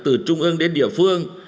từ trung ương đến địa phương